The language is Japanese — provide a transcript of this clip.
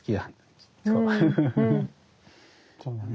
そうだね。